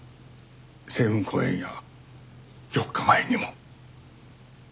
星雲公園や４日前にも。